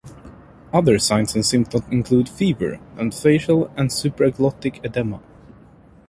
Other signs and symptoms include fever and facial and supraglottic edema.